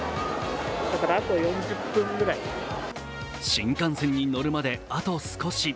新幹線に乗るまであと少し。